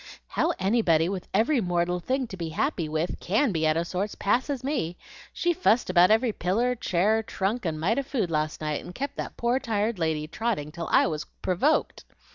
"How anybody with every mortal thing to be happy with CAN be out of sorts passes me. She fussed about every piller, chair, trunk, and mite of food last night, and kept that poor tired lady trotting till I was provoked.